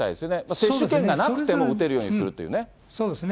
接種券がなくても打てるようにするというね。